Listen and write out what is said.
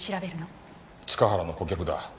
塚原の顧客だ。